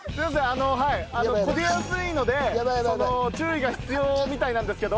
あのはい焦げやすいので注意が必要みたいなんですけど。